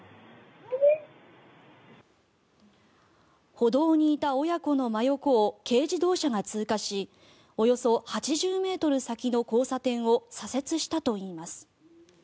歩道にいた親子の真横を軽自動車が通過しおよそ８０ｍ先の交差点を左折したといいます。